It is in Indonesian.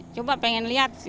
coba pengen lihat